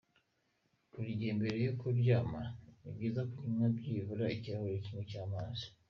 Buri gihe mbere yo kuryama ni byiza kunywa byibura ikirahuri kimwe cy’amazi.